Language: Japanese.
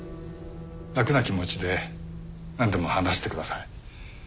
楽な気持ちでなんでも話してください。